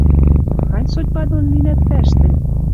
Махань судьба дон линӓт вӓш тӹнь?